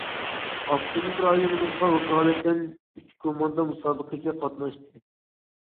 ئاپتونوم رايونىمىزغا ۋاكالىتەن ئۈچ كوماندا مۇسابىقىگە قاتناشتى.